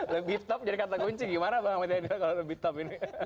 lebih top jadi kata kunci gimana bang ahmad yani kalau lebih top ini